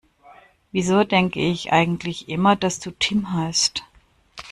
Wieso denke ich eigentlich immer, dass du Tim heißt?